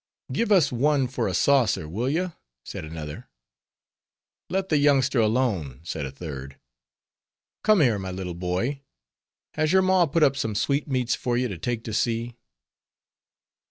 "Give us one for a saucer, will ye?" said another. "Let the youngster alone," said a third. "Come here, my little boy, has your ma put up some sweetmeats for ye to take to sea?"